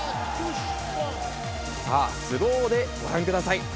さあ、スローでご覧ください。